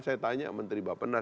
saya tanya menteri bapak